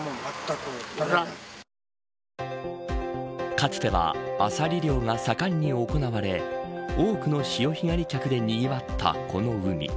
かつてはアサリ漁が盛んに行われ多くの潮干狩り客でにぎわったこの海。